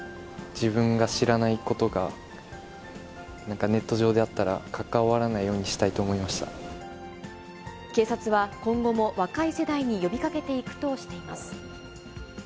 自分が知らないことが、なんかネット上にあったら、関わらないようにしたいと思いま警察は今後も若い世代に呼びかけていくとしています。